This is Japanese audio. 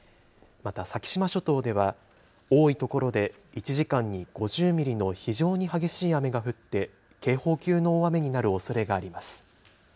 また先島諸島では、多い所で１時間に５０ミリの非常に激しい雨が降って、警報級の大雨になるおそれがあります。